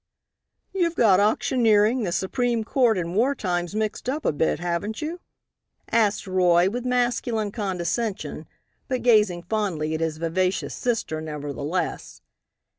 "You've got auctioneering, the Supreme Court and war times, mixed up a bit, haven't you?" asked Roy with masculine condescension, but gazing fondly at his vivacious sister nevertheless.